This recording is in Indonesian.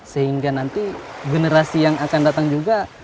sehingga nanti generasi yang akan datang juga